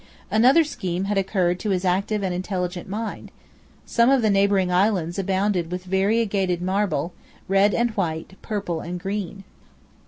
Another scheme had occurred to his active and intelligent mind. Some of the neighbouring islands abounded with variegated marble, red and white, purple and green.